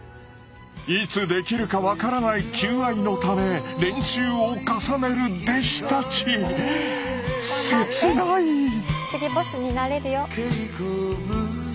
いつできるか分からない求愛のため練習を重ねる弟子たち次ボスになれるよ。